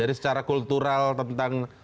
jadi secara kultural tentang